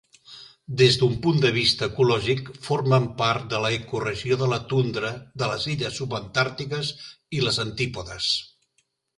Des d'un punt de vista ecològic, formen part de l'ecoregió de la tundra de les illes Subantàrtiques i les Antípodes.